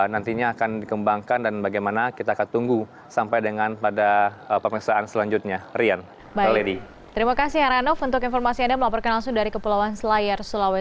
nantinya akan dikembangkan dan bagaimana kita akan tunggu sampai dengan pada pemeriksaan selanjutnya